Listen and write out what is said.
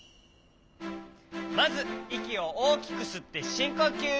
まずいきをおおきくすってしんこうきゅう。